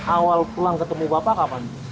awal pulang ketemu bapak kapan